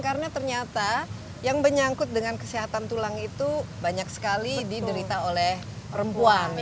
karena ternyata yang menyangkut dengan kesehatan tulang itu banyak sekali diderita oleh perempuan